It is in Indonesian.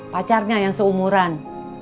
pacarnya yang seumuran